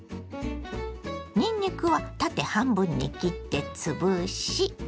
にんにくは縦半分に切って潰し。